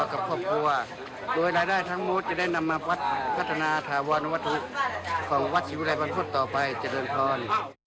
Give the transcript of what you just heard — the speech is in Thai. โดยลายได้ทั้งหมดจะได้นำมาวัสดิ์พัฒนาทาวรรณวัตนภูิตของวัดชิวิรบรรพุธต่อไปจริงข้อน